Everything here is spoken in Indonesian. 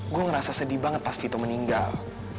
gue ngerasa sedih banget pas vito meninggal